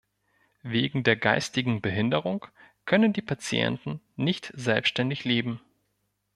Wegen der geistigen Behinderung können die Patienten nicht selbständig leben.